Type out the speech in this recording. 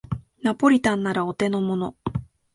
ナポリタンならお手のもの